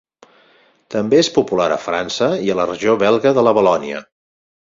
També és popular a França i a la regió belga de la Valònia.